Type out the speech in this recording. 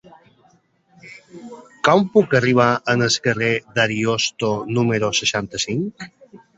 Com puc arribar al carrer d'Ariosto número seixanta-cinc?